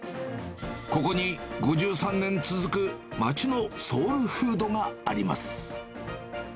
ここに５３年続く町のソウルフードがあります。